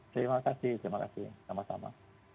terima kasih terima kasih sama sama